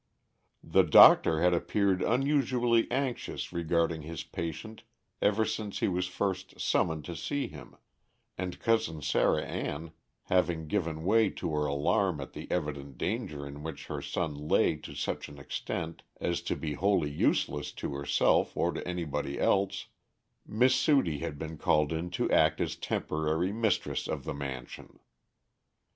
The doctor had appeared unusually anxious regarding his patient ever since he was first summoned to see him, and Cousin Sarah Ann having given way to her alarm at the evident danger in which her son lay to such an extent as to be wholly useless to herself or to anybody else, Miss Sudie had been called in to act as temporary mistress of the mansion.